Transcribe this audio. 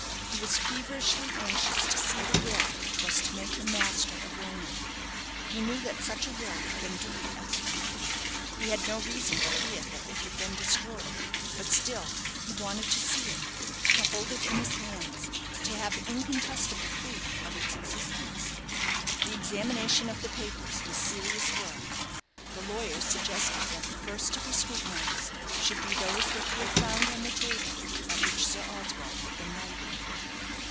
He was feverishly anxious to see the will which was to make him master of Raynham. He knew that such a will had been duly executed. He had no reason to fear that it had been destroyed; but still he wanted to see it to hold it in his hands, to have incontestable proof of its existence. The examination of the papers was serious work. The lawyer suggested that the first to be scrutinized should be those that he had found on the table at which Sir Oswald had been writing.